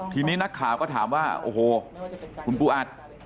ทีนี้นักข่าวก็ถามว่าโอ้โหคุณปูอัด